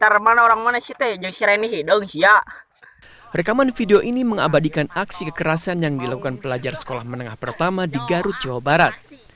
rekaman video ini mengabadikan aksi kekerasan yang dilakukan pelajar sekolah menengah pertama di garut jawa barat